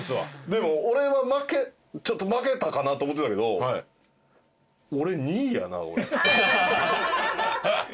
でも俺は負けたかなと思ってたけど俺２位やな。